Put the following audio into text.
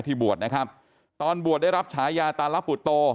บวชนะครับตอนบวชได้รับฉายาตาลปุตโต